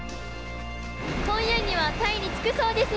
今夜にはタイに着くそうです。